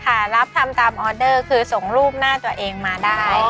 รับทำตามออเดอร์คือส่งรูปหน้าตัวเองมาได้